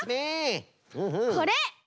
これ！